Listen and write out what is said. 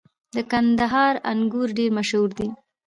• د کندهار انګور ډېر مشهور دي.